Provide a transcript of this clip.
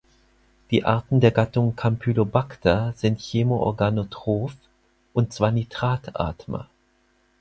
Die Arten der Gattung "Campylobacter" sind chemoorganotroph, und zwar Nitrat-Atmer.